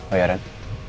oh ya ren